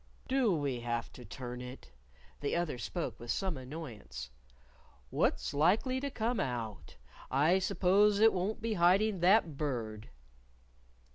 "Do we have to turn it?" The other spoke with some annoyance. "What's likely to come out? I suppose it won't be hiding that Bird."